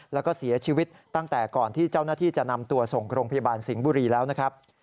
แล้วก็เสียชีวิตตั้งแต่ก่อนที่เจ้าหน้าที่จะนำตัวส่งโรงพยาบาลสิงห์บุรีแล้วนะครับ